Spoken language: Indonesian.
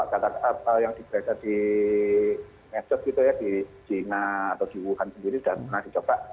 coba coba yang diberikan di jena atau di wuhan sendiri sudah pernah dicoba